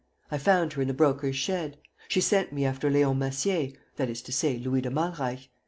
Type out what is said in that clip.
I found her in the Broker's shed. She sent me after Leon Massier, that is to say, Louis de Malreich.